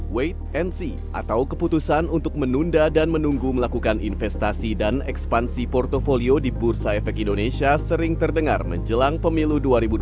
wait and see atau keputusan untuk menunda dan menunggu melakukan investasi dan ekspansi portfolio di bursa efek indonesia sering terdengar menjelang pemilu dua ribu dua puluh